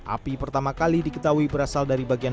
api pertama kali diketahui berasal dari bagian